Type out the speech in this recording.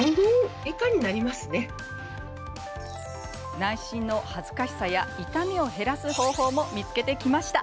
内診の恥ずかしさや痛みを減らす方法も見つけてきました。